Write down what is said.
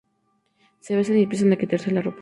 Se besan y empiezan a quitarse la ropa.